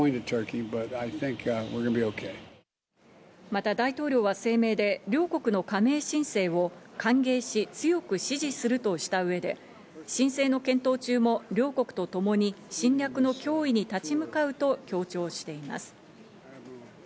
また大統領は声明で、両国の加盟申請を歓迎し強く支持するとした上で、申請の検討中も両国とともに侵略の脅威に立ち向かうと強調しています。